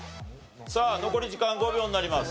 さあ残り時間５秒になります。